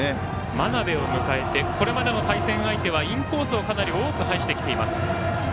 真鍋を迎えてこれまでの対戦相手はインコースを、かなり多く配してきています。